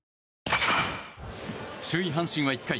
首位、阪神は１回。